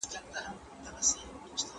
ملي شورا نوی سفیر نه باسي.